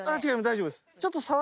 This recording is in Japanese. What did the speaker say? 大丈夫です